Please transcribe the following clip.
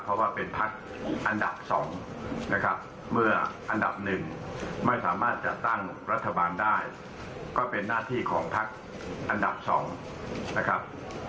เพราะว่าเป็นพักอันดับ๒นะครับเมื่ออันดับหนึ่งไม่สามารถจัดตั้งรัฐบาลได้ก็เป็นหน้าที่ของพักอันดับ๒นะครับ